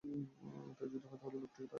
তাই যদি হয়, তাহলে লোকটি থাকে একা।